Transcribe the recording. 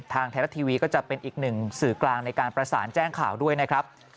ทางไทยรัฐทีวีก็จะเป็นอีกหนึ่งสื่อกลางในการประสานแจ้งข่าวด้วยนะครับ